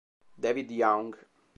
David Young